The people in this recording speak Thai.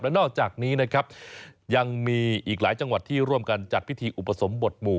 นอกจากนี้นะครับยังมีอีกหลายจังหวัดที่ร่วมกันจัดพิธีอุปสมบทหมู่